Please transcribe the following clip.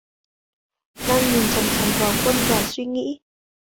Đang nhìn chằm chằm vào Quân và suy nghĩ